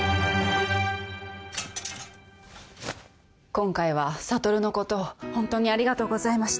今回は悟のことホントにありがとうございました。